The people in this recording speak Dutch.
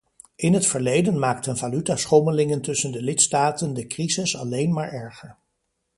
In het verleden maakten valutaschommelingen tussen de lidstaten de crises alleen maar erger.